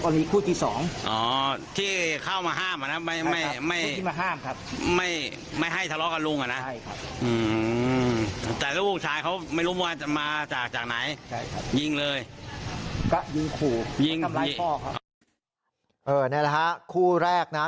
นี่แหละครับคู่แรกนะ